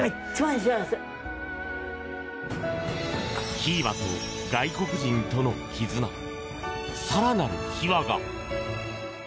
ひーばと外国人との絆更なる秘話が。